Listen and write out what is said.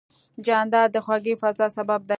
جانداد د خوږې فضا سبب دی.